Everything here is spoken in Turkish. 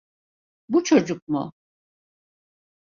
Bu çocuk mu?